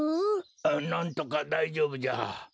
なんとかだいじょうぶじゃ。